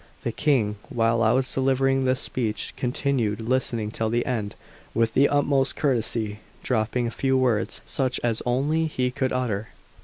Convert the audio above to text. The King, while I was delivering this speech, continued listening till the end with the utmost courtesy, dropping a few words such as only he could utter.